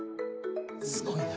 すごいな。